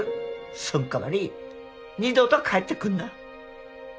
そんかわり二度と帰ってくんな